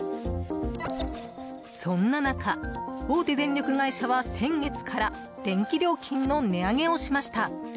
そんな中大手電力会社は先月から電気料金の値上げをしました。